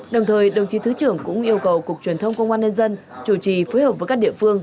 đồng thời đồng chí thứ trưởng cũng yêu cầu cục truyền thông công an nhân dân chủ trì phối hợp với các địa phương